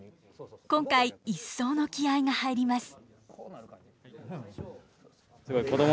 今回一層の気合いが入ります。